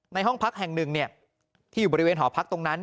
ห้องพักแห่งหนึ่งที่อยู่บริเวณหอพักตรงนั้น